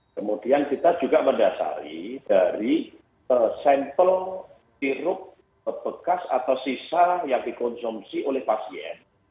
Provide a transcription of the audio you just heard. kemudian kita juga mendasari dari sampel sirup bekas atau sisa yang dikonsumsi oleh pasien